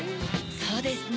そうですね。